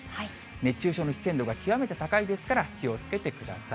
熱中症の危険度が極めて高いですから、気をつけてください。